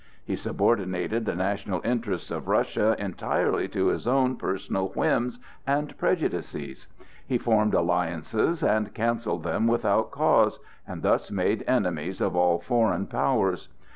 He subordinated the national interests of Russia entirely to his own personal whims and prejudices. He formed alliances and cancelled them without cause, and thus made enemies of all foreign powers.